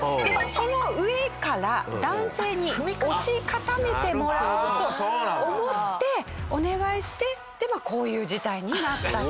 その上から男性に押し固めてもらおうと思ってお願いしてこういう事態になったと。